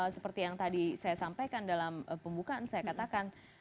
seperti yang tadi saya sampaikan dalam pembukaan saya katakan